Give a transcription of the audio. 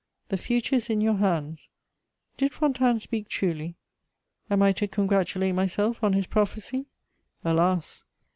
"The future is in your hands": did Fontanes speak truly? Am I to congratulate myself on his prophecy? Alas!